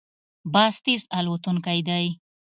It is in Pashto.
باز تېز الوتونکی دی